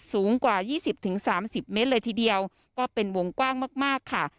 สูงกว่ายี่สิบถึงสามสิบเมตรเลยทีเดียวก็เป็นวงกว้างมากมากค่ะ